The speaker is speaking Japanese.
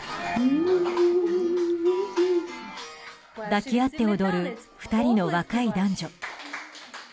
抱き合って踊る２人の若い男女。